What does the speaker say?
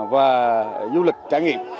và du lịch trải nghiệm